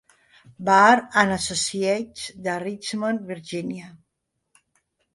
Burr and Associates de Richmond, Virgínia.